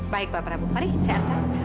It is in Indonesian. baik pak prabu mari saya antar